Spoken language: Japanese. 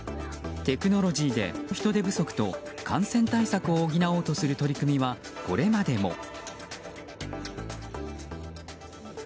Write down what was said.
テクノロジーで人手不足と感染対策を補おうとする取り組みはこれまでも。